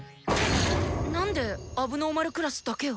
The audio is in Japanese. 何で問題児クラスだけを？